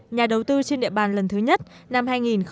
nhà đầu tư trên địa bàn lần thứ nhất năm hai nghìn một mươi tám